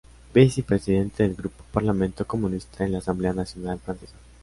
Vicepresidente del Grupo Parlamentario comunista en la Asamblea Nacional Francesa.